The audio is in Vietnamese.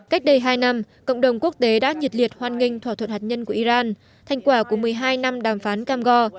cách đây hai năm cộng đồng quốc tế đã nhiệt liệt hoan nghênh thỏa thuận hạt nhân của iran thành quả của một mươi hai năm đàm phán cam go